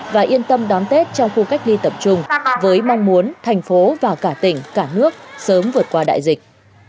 và yên tâm đón tết trong khu cách ly tập trung với mong muốn thành phố và cả tỉnh cả nước sớm vượt qua đại dịch